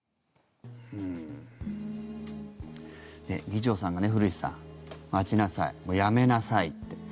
議長さんがね、古市さん待ちなさい、やめなさいって。